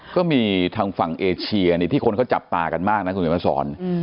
ก็มีทางฝั่งเอเชียที่คนเขาจับตากันมากนะคุณเห็นมาสอน